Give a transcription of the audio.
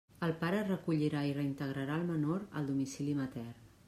El pare recollirà i reintegrarà al menor al domicili matern.